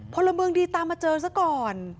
พลเมืองดีตามมาเจอซะก่อน